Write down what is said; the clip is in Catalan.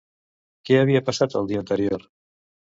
Què havia passat el dia anterior?